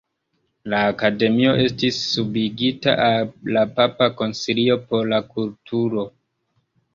La Akademio estis subigita al la Papa Konsilio por la Kulturo.